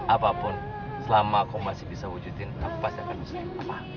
apapun selama aku masih bisa wujudin aku pasti akan berusaha